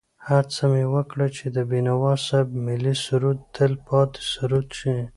هڅه مې وکړه چې د بېنوا صاحب ملي سرود تل پاتې سرود شي.